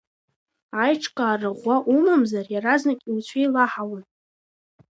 Аиҿкаара ӷәӷәа умамзар, иаразнак иуцәеилаҳауан.